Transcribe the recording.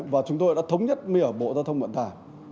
và chúng tôi đã thống nhất ở bộ giao thông vận tải